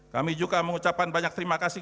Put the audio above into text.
kami juga mengucapkan banyak terima kasih